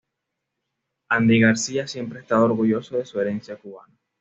Andy García siempre ha estado orgulloso de su herencia cubana.